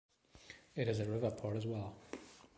It is a river port as well.